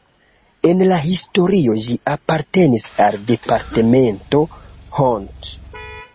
En la historio ĝi apartenis al departemento Hont.